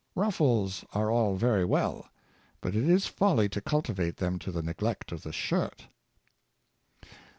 Ruf fles are all very vv^ell, but it is folly to cultivate them to the neglect of the shirt.